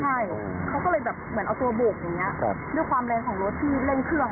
ใช่เขาก็เลยแบบเหมือนเอาตัวโบกอย่างนี้ด้วยความแรงของรถที่เร่งเครื่อง